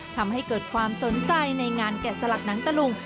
ทำให้เกิดความสนใจในงานแกะสลักหนังตะลุง